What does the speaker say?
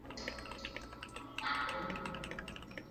তুমি ওকে চাউ না?